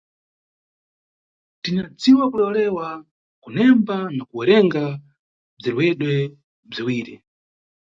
Tinyadziwa kulewalewa, kunemba na kuwerenga mʼbzilewedwe bziwiri.